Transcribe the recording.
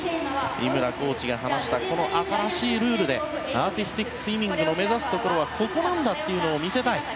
井村コーチが話した新しいルールでアーティスティックスイミングの目指すところはここなんだというのを見せたい。